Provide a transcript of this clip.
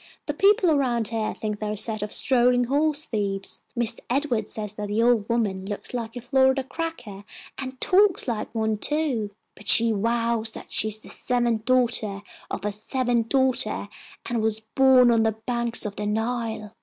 The people around here think they are a set of strolling horse thieves. Mister Edward says that the old woman looks like a Florida cracker, and talks like one too, but she vows that she is the seventh daughter of a seventh daughter and was born on the banks of the Nile."